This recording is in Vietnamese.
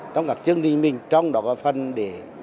trong các chương trình mình trong đó có phần để